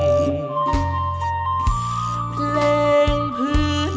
ไม่ใช้